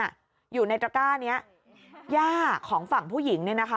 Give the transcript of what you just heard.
อยู่ในตระก้านี้ย่าของฝั่งผู้หญิงเนี่ยนะคะ